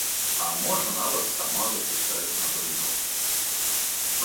А можа нават сама запісаць на прыём.